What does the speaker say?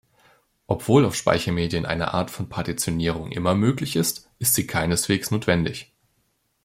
Obwohl auf Speichermedien eine Art von Partitionierung immer möglich ist, ist sie keineswegs notwendig.